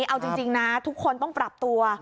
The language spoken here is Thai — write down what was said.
เอาจริงนะทุกคนต้องปรับตัว